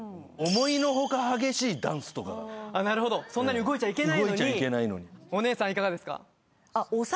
思いの外激しいダンスとかなるほどそんなに動いちゃいけないのにお姉さんいかがですか？